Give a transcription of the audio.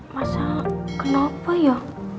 mas al kenapa ya